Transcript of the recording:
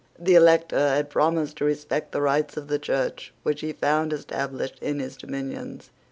The Elector had promised to respect the rights of the Church which he found established in his dominions.